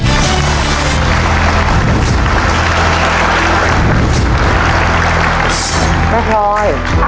แม่ทรอย